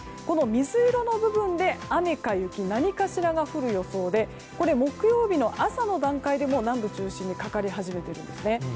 この水色の部分で雨か雪何かしらが降る予想で木曜日の朝の段階で南部を中心にかかり始めているんです。